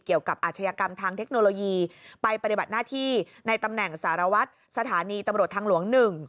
อาชญากรรมทางเทคโนโลยีไปปฏิบัติหน้าที่ในตำแหน่งสารวัตรสถานีตำรวจทางหลวง๑